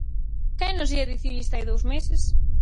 Quen nos ía dicir isto hai dous meses?